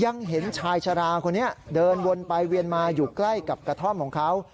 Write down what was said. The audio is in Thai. เห็นชายชะลาคนนี้เดินวนไปเวียนมาอยู่ใกล้กับกระท่อมของเขา